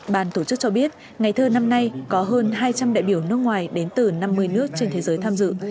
bàn tổ chức cho biết ngày thơ năm nay có hơn hai trăm linh đại biểu nước ngoài đến từ năm mươi nước trên thế giới tham dự